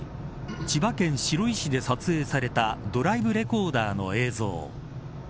千葉県白井市で撮影されたドライブレコーダーの映像。